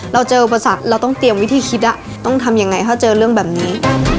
เราเจออุปสรรคเราต้องเตรียมวิธีคิดต้องทำยังไงถ้าเจอเรื่องแบบนี้